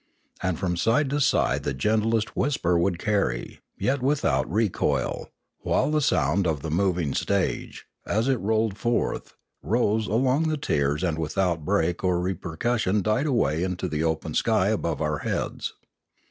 And from side to side the gentlest whisper would carry, yet without re coil; while the sound of the moving stage, as it rolled forth, rose along the tiers and without break or reper cussion died away into the open sky above our heads.